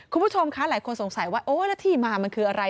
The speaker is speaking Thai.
คุณผู้ชมคะหลายคนสงสัยว่าโอ๊ยแล้วที่มามันคืออะไร